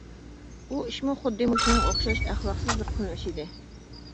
بۇ ئىشمۇ خۇددى مۇشۇنىڭغا ئوخشاش ئەخلاقسىز بىر قىلمىش ئىدى.